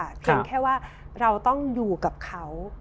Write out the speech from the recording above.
เพียงแค่ว่าเราต้องอยู่กับเขา